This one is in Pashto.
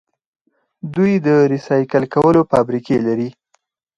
دوی د ریسایکل کولو فابریکې لري.